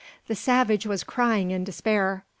The savage was crying in despair.